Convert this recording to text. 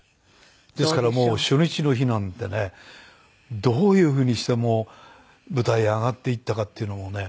ですからもう初日の日なんてねどういう風にして舞台へ上がっていったかっていうのもね